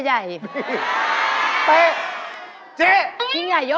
เฮ่ยเฮ่ยเฮ่ยเฮ่ย